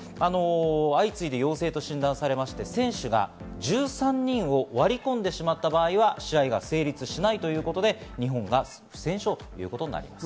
相次いで陽性と診断されまして選手が１３人を割り込んでしまった場合は試合は成立しないということで日本が不戦勝ということになります。